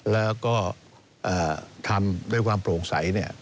แล้วก็ทำด้วยความโปร่งใส